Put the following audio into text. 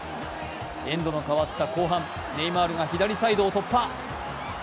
エンドの変わった後半、ネイマールが左サイドを突破。